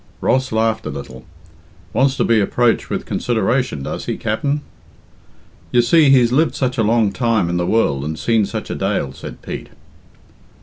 Ross laughed a little. "Wants to be approached with consideration, does he, Capt'n?" "You see, he's lived such a long time in the world and seen such a dale," said Pete.